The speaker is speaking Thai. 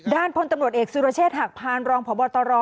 พลตำรวจเอกสุรเชษฐหักพานรองพบตร